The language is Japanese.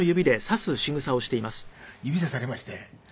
指さされまして。